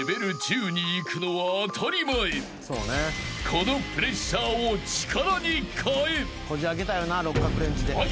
［このプレッシャーを力にかえ］